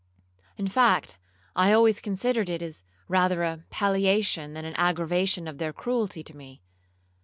In fact, I always considered it as rather a palliation than an aggravation of their cruelty to me.